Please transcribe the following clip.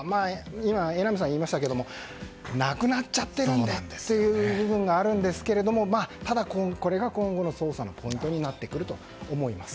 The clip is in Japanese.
今、榎並さんが言いましたが両親が亡くなっちゃっている部分もあるのでただ、これが今後の捜査のポイントになってくると思います。